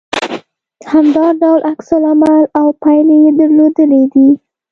همدا ډول عکس العمل او پايلې يې درلودلې دي